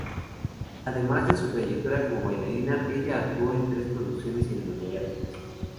Además de su trayectoria como bailarina, ella actuó en tres producciones cinematográficas.